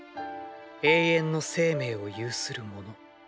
永遠の生命を有する者。